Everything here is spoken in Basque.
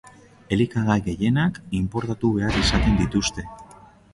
Elikagai gehienak inportatu behar izaten dituzte.